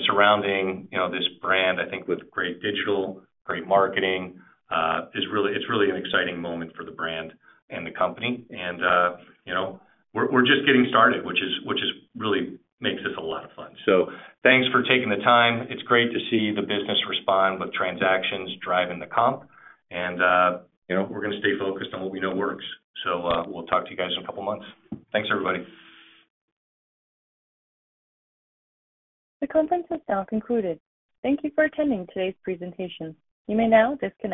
Surrounding this brand, I think, with great digital, great marketing, it's really an exciting moment for the brand and the company. We're just getting started, which really makes this a lot of fun. So thanks for taking the time. It's great to see the business respond with transactions driving the comp. We're going to stay focused on what we know works. So we'll talk to you guys in a couple of months. Thanks, everybody. The conference has now concluded. Thank you for attending today's presentation. You may now disconnect.